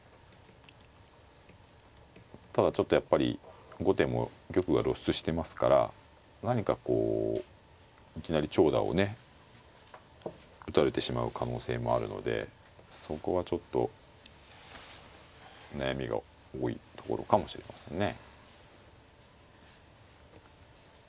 ただちょっとやっぱり後手も玉が露出してますから何かこういきなり長打をね打たれてしまう可能性もあるのでそこはちょっと悩みが多いところかもしれませんね。